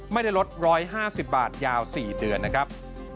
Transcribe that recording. ไม่ได้ลด๑๕๐บาทยาว๔เดือนนะครับ